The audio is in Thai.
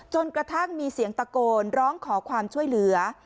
จนกระทั่งมีเสียงตะโกนร้องขอความช่วยเหลือ